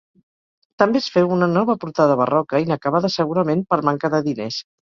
També es féu una nova portada barroca, inacabada segurament per manca de diners.